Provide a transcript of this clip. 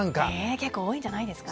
結構多いんじゃないですか。